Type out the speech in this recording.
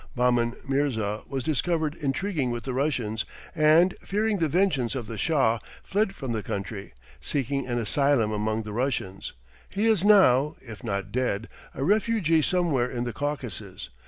Baahman Mirza was discovered intriguing with the Russians, and, fearing the vengeance of the Shah, fled from the country; seeking an asylum among the Russians, he is now if not dead a refugee somewhere in the Caucasus.